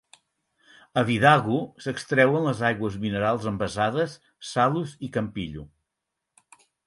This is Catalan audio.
A Vidago s'extreuen les aigües minerals envasades "Salus" i "Campilho"